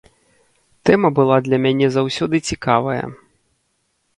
Тэма была для мяне заўсёды цікавая.